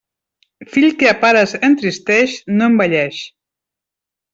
Fill que a pares entristeix, no envelleix.